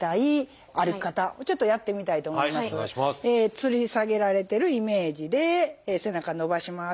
つり下げられてるイメージで背中伸ばします。